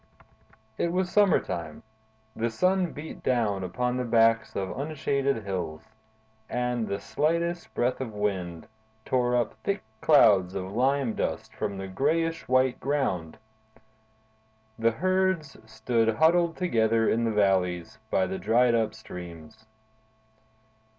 It was summertime. The sun beat down upon the backs of unshaded hills, and the slightest breath of wind tore up thick clouds of lime dust from the grayish white ground. The herds stood huddled together in the valleys, by the dried up streams.